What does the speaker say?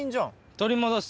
取り戻す！